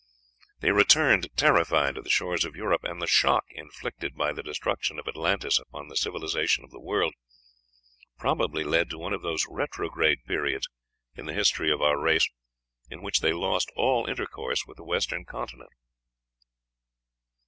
They returned terrified to the shores of Europe; and the shock inflicted by the destruction of Atlantis upon the civilization of the world probably led to one of those retrograde periods in the history of our race in which they lost all intercourse with the Western continent.